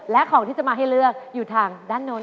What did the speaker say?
และของที่จะมาให้เลือกอยู่ทางด้านโน้น